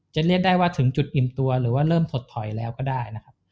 เรียกได้ว่าถึงจุดอิ่มตัวหรือว่าเริ่มถดถอยแล้วก็ได้นะครับ